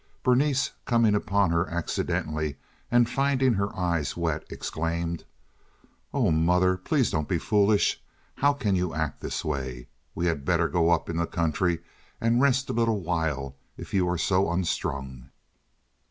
Berenice, coming upon her accidentally and finding her eyes wet, exclaimed: "Oh, mother, please don't be foolish. How can you act this way? We had better go up in the country and rest a little while if you are so unstrung."